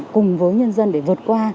cùng với nhân dân để vượt qua